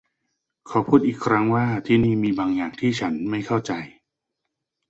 ขอพูดอีกครั้งว่าที่นี่มีบางอย่างที่ฉันไม่เข้าใจ